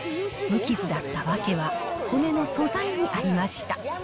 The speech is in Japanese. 無傷だった訳は、骨の素材にありました。